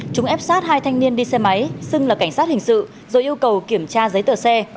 chúng ép sát hai thanh niên đi xe máy xưng là cảnh sát hình sự rồi yêu cầu kiểm tra giấy tờ xe